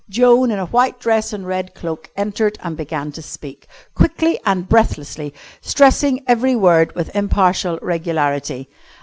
Joan, in a white dress and red cloak, entered and began to speak, quickly and breathlessly, stressing every word with impartial regularity.